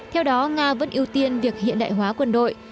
theo đó nga vẫn ưu tiên việc hiện đại hóa quân đội